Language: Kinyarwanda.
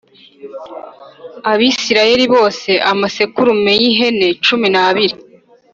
Abisirayeli bose amasekurume y ihene cumi n abiri